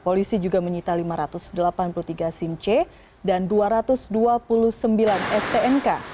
polisi juga menyita lima ratus delapan puluh tiga simc dan dua ratus dua puluh sembilan stnk